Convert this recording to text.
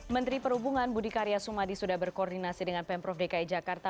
menteri perhubungan budi karya sumadi sudah berkoordinasi dengan pemprov dki jakarta